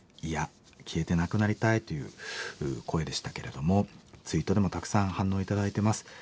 消えてなくなりたい」という声でしたけれどもツイートでもたくさん反応頂いています。